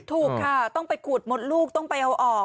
ถูกค่ะต้องไปขูดมดลูกต้องไปเอาออก